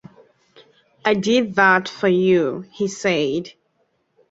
“I did that for you,” he said.